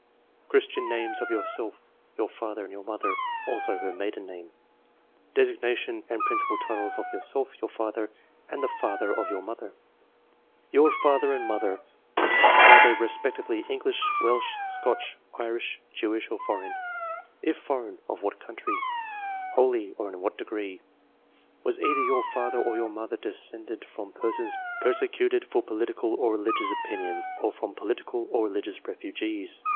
'^ vi£tian names of yourself, your father, and your APPENDIX. 263 mother, also her maiden name ? Designation and prin cipal titles of yourself, your father, and the father of your mother ? Your father and mother, are they respectively English, Welsh, Scotch, Irish, Jewish, or foreign ? If foreign, of what country ? WhoUy or in what degree ? Was either your father or your mother descended from persons persecuted for political or reKgious opinions, or from political or religious refugees